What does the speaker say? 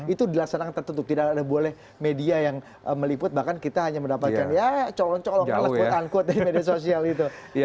itu dilaksanakan tertentu tidak boleh media yang meliput bahkan kita hanya mendapatkan ya colong colongan unquote unquote dari media sosial itu